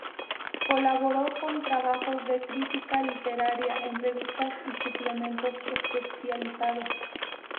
Colaboró con trabajos de crítica literaria en revistas y suplementos especializados.